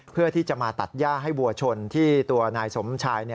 เพื่อที่จะมาตัดย่าให้วัวชนที่ตัวนายสมชาย